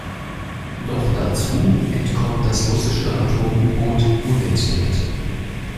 Noch dazu entkommt das russische Atom-U-Boot unentdeckt.